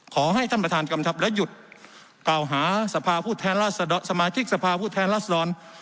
ขอให้ท่านประธานกำชับและหยุดกล่าวหาสภาผู้แทนสมาชิกสภาพผู้แทนรัศดร